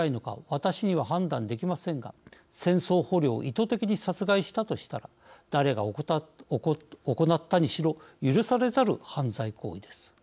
私には判断できませんが戦争捕虜を意図的に殺害したとしたら誰が行ったにしろ許されざる犯罪行為です。